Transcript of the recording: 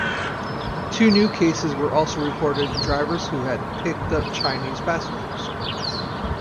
Two new cases were also reported in drivers who had picked up Chinese passengers.